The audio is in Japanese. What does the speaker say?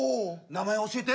「名前教えて」。